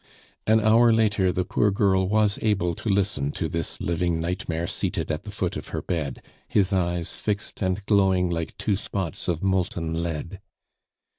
An hour later the poor girl was able to listen to this living nightmare, seated at the foot of her bed, his eyes fixed and glowing like two spots of molten lead.